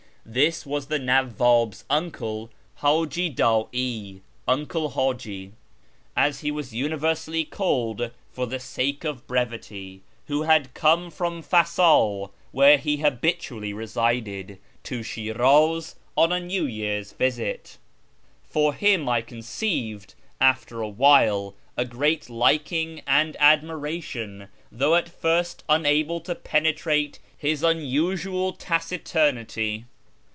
This was the Nawwab's uncle, " Hdiji Dai "(" Uncle Haji "), as he was usually called for the sake of brevity, who had come from Fasa (where he habitually resided) to Shiraz on a New Year's visit. For him I conceived, after a wliile, a great liking and admiration, though at first unable to penetrate liis unusual taciturnity.